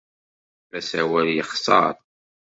Asawal yexṣer.